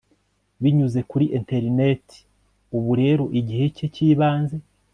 binyuze kuri interineti ubu rero igihe cye cyibanze